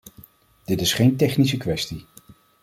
Dit is geen technische kwestie.